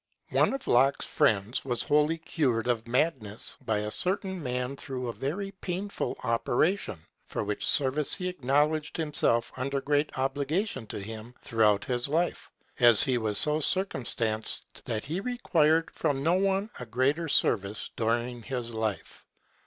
One of Locke's friends was wholly cured of madness by a certain man through a very painful operation, for which service he acknowledged himself under great obligation to him through out his life, as he was so circumstanced that he required from no one a greater service during his life.